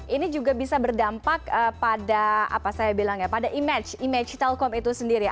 ini juga bisa berdampak pada apa saya bilang ya pada image image telkom itu sendiri